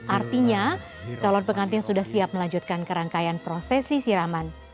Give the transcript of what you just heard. artinya calon pengantin sudah siap melanjutkan kerangkaian prosesi siraman